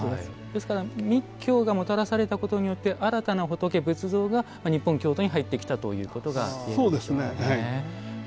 ですから、密教がもたらされたことによって新たな仏、仏像が日本、京都に入ってきたということが言えるんでしょうね。